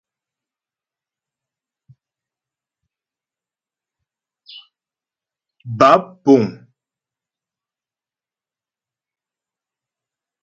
Báp puŋ.